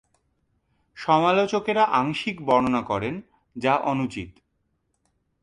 সমালোচকেরা আংশিক বর্ণনা করেন, যা অনুচিত।